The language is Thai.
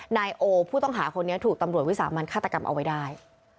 นายโอผู้ต้องหาคนนี้ถูกตำรวจวิสามันฆาตกรรมเอาไว้ได้